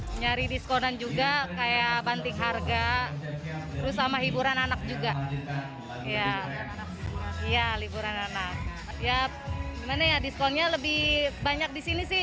persenannya itu lebih diskon di sini sih